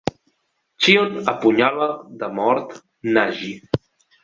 Xion apunyala de mort Nagi.